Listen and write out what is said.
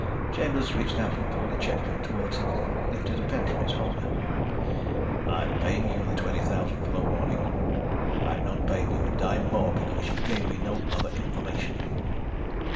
Chambers reached out and pulled a checkbook toward him, lifted a pen from its holder. "I'm paying you the twenty thousand for the warning. I'm not paying you a dime more, because you gave me no other information."